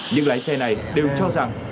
những lái xe này đều cho rằng